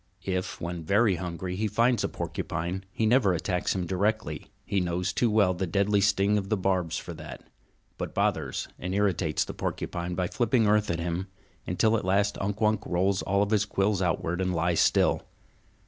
If, when very hungry, he finds a porcupine, he never attacks him directly, he knows too well the deadly sting of the barbs for that, but bothers and irritates the porcupine by flipping earth at him, until at last Unk Wunk rolls all his quills outward and lies still.